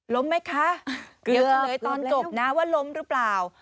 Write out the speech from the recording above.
ไหมคะเดี๋ยวเฉลยตอนจบนะว่าล้มหรือเปล่า